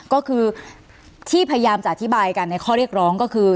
ก็คือที่พยายามจะอธิบายกันในข้อเรียกร้องก็คือ